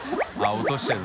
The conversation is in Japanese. △落としてる。